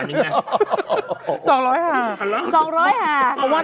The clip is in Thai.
ซี่จะเอาไหนดีใช่ไหม